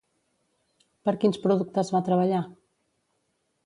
Per quins productes va treballar?